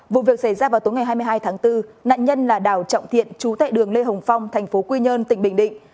vụ việc xảy ra vào tối ngày hai mươi hai tháng bốn nạn nhân là đào trọng thiện chú tệ đường lê hồng phong thành phố quy nhơn tỉnh bình định